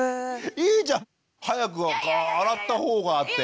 いいじゃん早く洗ったほうが！って。